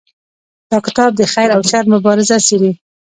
دا کتاب د خیر او شر مبارزه څیړي.